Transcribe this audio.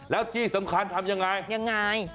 แล้วที่สำคัญทำอย่างไร